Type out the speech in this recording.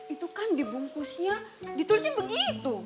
itu kan dibungkusnya ditulisnya begitu